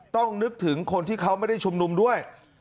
นึกถึงคนที่เขาไม่ได้ชุมนุมด้วย